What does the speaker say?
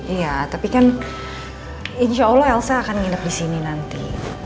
iya tapi kan insya allah elsa akan nginep di sini nanti